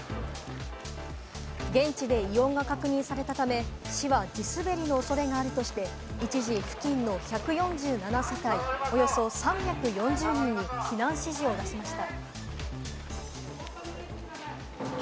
現地で異音が確認されたため、市は地滑りの恐れがあるとして一時付近の１４７世帯、およそ３４０人に避難指示を出しました。